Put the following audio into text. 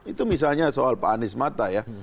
itu misalnya soal pak anies mata ya